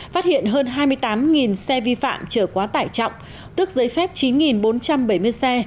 phát hiện hơn hai mươi tám xe vi phạm trở quá tải trọng tước giấy phép chín bốn trăm bảy mươi xe